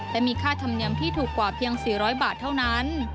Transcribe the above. และมีค่าธรรมเนียมที่ถูกกว่าเพียง๔๐๐บาทเท่านั้น